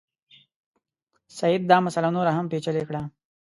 سید دا مسله نوره هم پېچلې کړه.